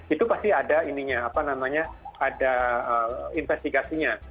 itu pasti ada investigasinya